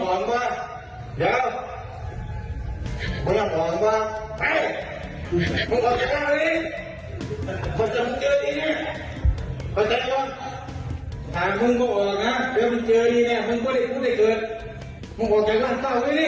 ถามมึงก็ออกนะเดี๋ยวมึงเจอดีแน่มึงก็ได้มึงก็ได้เกิดมึงออกจากนั้นก็ออกด้วยนี่